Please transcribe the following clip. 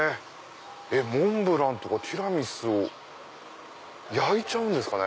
モンブランとかティラミスを焼いちゃうんですかね？